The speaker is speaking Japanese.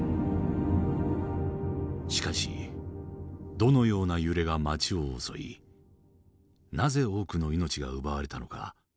しかしどのような揺れが街を襲いなぜ多くの命が奪われたのか。